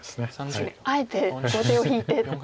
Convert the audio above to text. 確かにあえて後手を引いて。